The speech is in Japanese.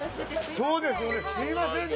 ・そうですよねすいませんね。